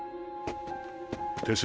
手嶋。